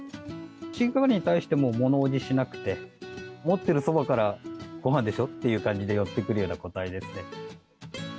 飼育員に対してもものおじしなくて、持ってるそばから、ごはんでしょ？っていう感じで寄ってくるような個体ですね。